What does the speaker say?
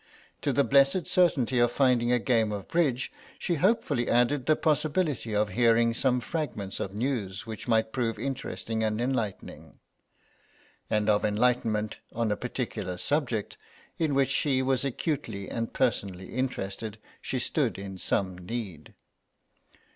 To the blessed certainty of finding a game of bridge, she hopefully added the possibility of hearing some fragments of news which might prove interesting and enlightening. And of enlightenment on a particular subject, in which she was acutely and personally interested, she stood in some need.